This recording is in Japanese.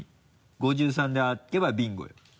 ５３で開けばビンゴよ